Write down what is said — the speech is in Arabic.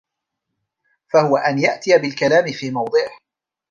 فَهُوَ أَنْ يَأْتِيَ بِالْكَلَامِ فِي مَوْضِعِهِ